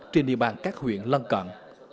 trên địa bàn các huyện lân cận